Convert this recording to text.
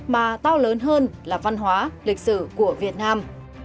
mà to lớn hơn là văn hóa lịch sử của việt nam